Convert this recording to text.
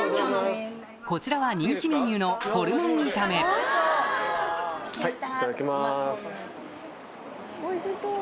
こちらは人気メニューのおいしそう！